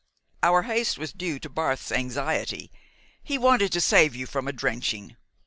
"Our haste was due to Barth's anxiety. He wanted to save you from a drenching.